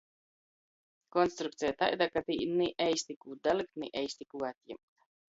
Konstrukceja taida, ka tī ni eisti kū dalikt, ni eisti kū atjimt.